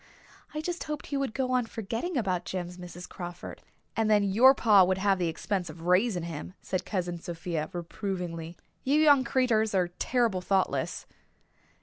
I just hoped he would go on forgetting about Jims, Mrs. Crawford." "And then your pa would have the expense of raising him," said Cousin Sophia reprovingly. "You young creeturs are terrible thoughtless."